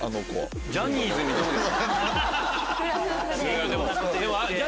ジャニーズって。